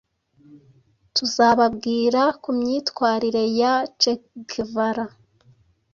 tuzababwira ku myitwarire ya che Guevara